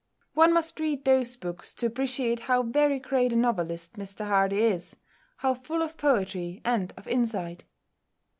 One must read those books to appreciate how very great a novelist Mr Hardy is, how full of poetry and of insight.